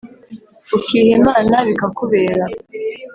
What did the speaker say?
ukiha imana bikakubera